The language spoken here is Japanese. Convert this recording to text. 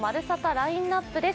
ラインナップです。